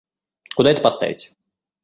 Куда это поставить?